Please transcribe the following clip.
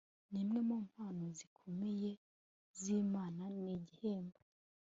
ni imwe mu mpano zikomeye zImana ni igihembo